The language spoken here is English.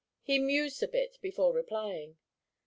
He mused a bit before replying.